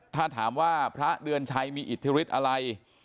ถ้าถามว่าพระเดือนชัยมีอิทธิฤทธิ์อะไร